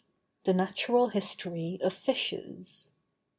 THE NATURAL HISTORY OF FISHES.